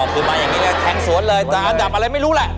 คือมาอย่างนี้เลยแทงสวนเลยจะอันดับอะไรไม่รู้แหละ